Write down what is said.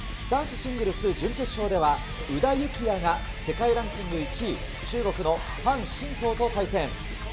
男子シングルス準決勝では、宇田幸矢が世界ランキング１位、中国のはん振東と対戦。